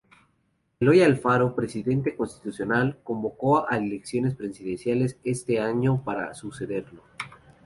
Eloy Alfaro, presidente constitucional, convocó a elecciones presidenciales este año para sucederlo.